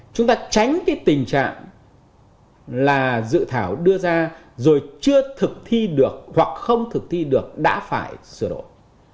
chúng ta tránh cái tình trạng là dự thảo đưa ra rồi chưa thực thi được hoặc không thực thi được đã phải sửa đổi